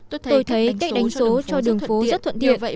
tôi thấy cách đánh số cho đường phố rất thuận tiện